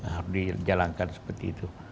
harus dijalankan seperti itu